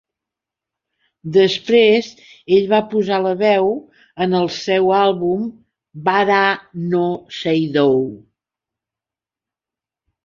Després ell va posar la veu en el seu àlbum "Bara no Seidou".